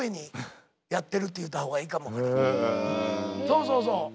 そうそうそう。